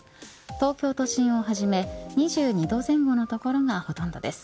東京都心をはじめ２２度前後の所がほとんどです。